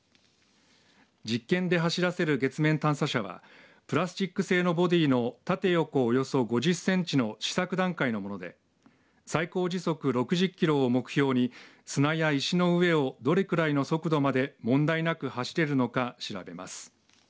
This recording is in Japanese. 実験で走らせる月面探査車はプラスチック製のボディーの縦横およそ５０センチの試作段階のもので最高時速６０キロを目標に砂や石の上をどれぐらいの速度まで問題なく走れるのか調べます。